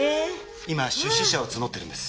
今出資者を募ってるんです。